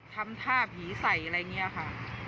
ทำท่าผีใส่อะไรเงี้ยค่ะ